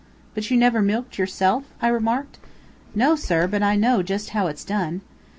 "But you never milked, yourself?" I remarked. "No, sir, but I know just how it's done."